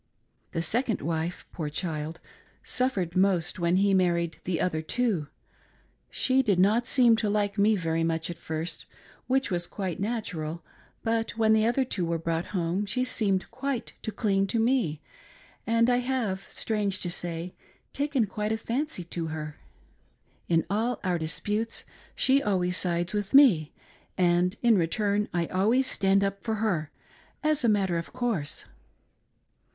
The second wife, poor child, suffered most when he married the other two. She did not seem to like me very much at first, which was quite natural, but when the other two were brought home she seemed quite to cling to me, and I have, strange to say, taken quite a fancy to her. In all our disputes she always sides with me, and in return I always stand up for her, as a matter of course.